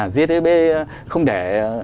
gtb không để